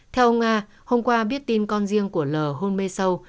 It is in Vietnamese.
theo ông nga hôm qua biết tin con riêng của l hôn mê sâu